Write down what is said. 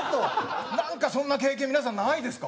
なんかそんな経験皆さんないですか？